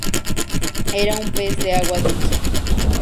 Era un pez de agua dulce.